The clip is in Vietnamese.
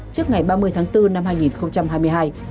trước ngày ba mươi tháng bốn năm hai nghìn hai mươi hai